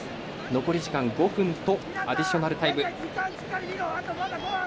残り時間５分とアディショナルタイム。